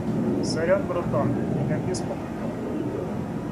Сорян братан, меня бес попутал!